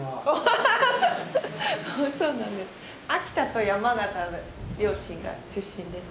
秋田と山形の両親が出身です。